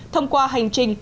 thông qua hành trình